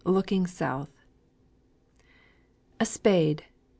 LOOKING SOUTH. "A spade!